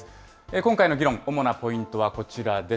今回の議論、主なポイントはこちらです。